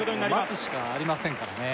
待つしかありませんからね